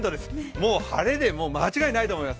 もう晴れで間違いないと思います。